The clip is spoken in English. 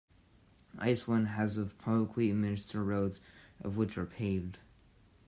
Iceland has of publicly administered roads, of which are paved.